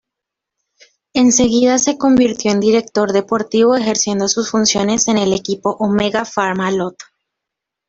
Enseguida se convirtió en director deportivo ejerciendo sus funciones en el equipo Omega Pharma-Lotto.